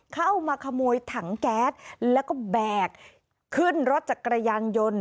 เข้ามาขโมยถังแก๊สแล้วก็แบกขึ้นรถจักรยานยนต์